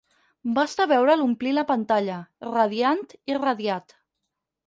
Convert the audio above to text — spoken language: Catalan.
Basta veure'l omplir la pantalla, radiant i radiat.